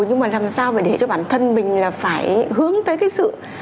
nhưng mà làm sao phải để cho bản thân mình là phải hướng tới cái sự